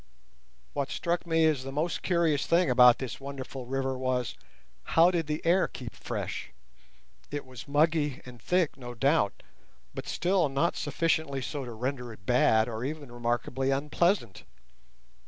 What struck me as the most curious thing about this wonderful river was: how did the air keep fresh? It was muggy and thick, no doubt, but still not sufficiently so to render it bad or even remarkably unpleasant.